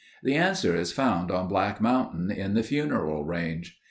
The answer is found on Black Mountain in the Funeral Range.